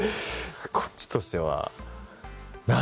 こっちとしては。